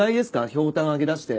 ひょうたん揚げ出して。